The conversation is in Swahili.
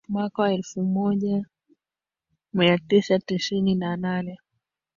Mwaka wa elfu moja mia tisa tisini na nane